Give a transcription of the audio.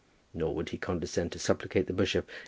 Nor would he condescend to supplicate the bishop.